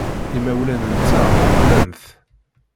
Imawlan-nteɣ ḥemmlen-t.